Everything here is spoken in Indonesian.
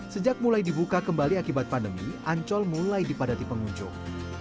sejak mulai dibuka kembali akibat pandemi ancol mulai dipadati pengunjung